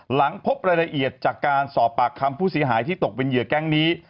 หลังพบรายละเอียดจากการสอบปากคำผู้เสียหายที่ตกเป็นเหยื่อแก๊งนี้